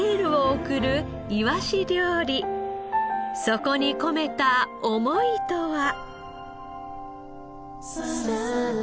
そこに込めた思いとは？